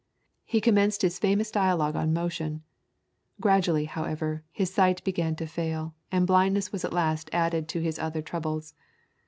He commenced his famous dialogue on Motion. Gradually, however, his sight began to fail, and blindness was at last added to his other troubles.